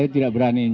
ya saya tidak berani